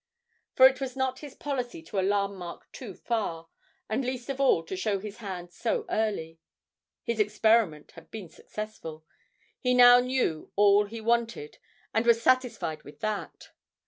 For it was not his policy to alarm Mark too far, and least of all to show his hand so early. His experiment had been successful; he now knew all he wanted, and was satisfied with that.